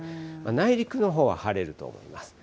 内陸のほうは晴れると思います。